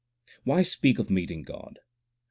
Why speak of meeting God ?